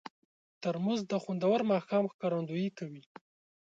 ترموز د خوندور ماښام ښکارندویي کوي.